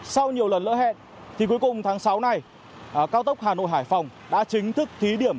sau nhiều lần lỡ hẹn thì cuối cùng tháng sáu này cao tốc hà nội hải phòng đã chính thức thí điểm